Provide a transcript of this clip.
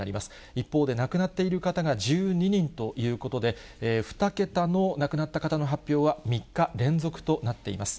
一方で亡くなっている方が１２人ということで、２桁の亡くなった方の発表は３日連続となっています。